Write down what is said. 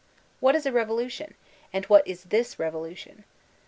What is a revolution? and what is this revolution?